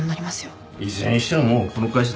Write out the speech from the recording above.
いずれにしてももうこの会社駄目だろ。